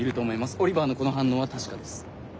オリバーのこの反応は確かです。